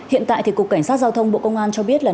hiện tại cục cảnh sát giao thông bộ công an cho biết là